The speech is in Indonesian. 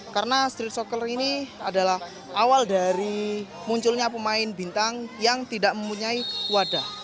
karena street soccer ini adalah awal dari munculnya pemain bintang yang tidak mempunyai wadah